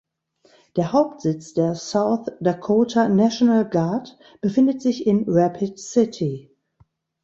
Der Hauptsitz der South Dakota National Guard befindet sich in Rapid City.